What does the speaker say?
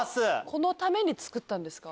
このために造ったんですか？